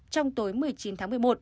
trong tối một mươi chín tháng một mươi một